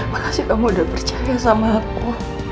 makasih kamu udah percaya sama aku